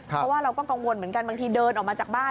เพราะว่าเราก็กังวลเหมือนกันบางทีเดินออกมาจากบ้าน